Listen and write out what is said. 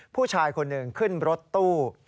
ผู้ชายคนหนึ่งขึ้นรถตู้